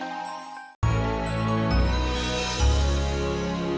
aduh ini gantinya masuk kantong ini